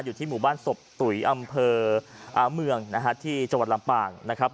อยู่ที่หมู่บ้านศพตุ๋ยอำเภอเมืองนะฮะที่จังหวัดลำปางนะครับ